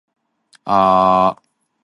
好忙好忙